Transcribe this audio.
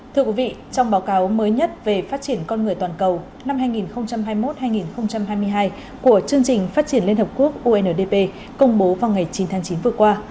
thưa quý vị trong báo cáo mới nhất về phát triển con người toàn cầu năm hai nghìn hai mươi một hai nghìn hai mươi hai của chương trình phát triển liên hợp quốc undp công bố vào ngày chín tháng chín vừa qua